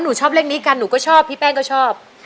ชอบเลขนี้กันหนูก็ชอบพี่แป้งก็ชอบ